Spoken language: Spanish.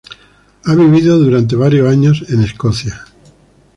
Ha vivido durante varios años en Escocia.